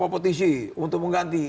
petisi untuk mengganti